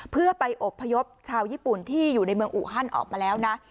เพื่อไปอบพยพชาวญี่ปุ่นที่อยู่ในเมืองอูฮันออกมาแล้วนะ